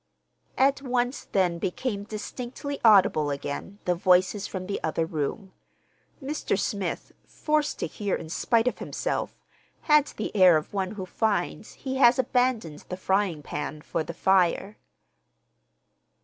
At once then became distinctly audible again the voices from the other room. Mr. Smith, forced to hear in spite of himself, had the air of one who finds he has abandoned the frying pan for the fire.